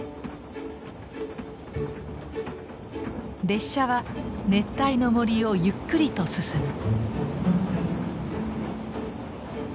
列車は熱帯の森をゆっくりと進む。